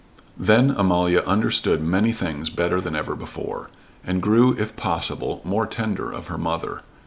Then Amalia understood many things better than ever before, and grew if possible more tender of her mother.